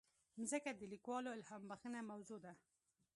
مځکه د لیکوالو الهامبخښه موضوع ده.